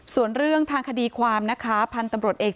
ส่วนเรื่องทางคดีความนะคะพันธุ์ตำรวจเอก